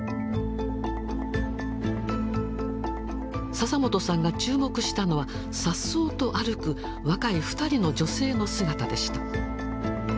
笹本さんが注目したのはさっそうと歩く若い２人の女性の姿でした。